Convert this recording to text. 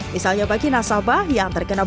misalnya bagi nasabah yang terkena